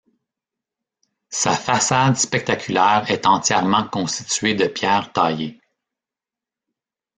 Sa façade spectaculaire est entièrement constituée de pierres taillées.